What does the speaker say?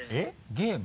ゲーム？